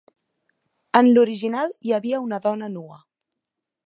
En l'original hi havia una dona nua.